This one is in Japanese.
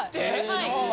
はい。